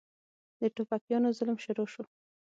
د ټوپکيانو ظلم شروع سو.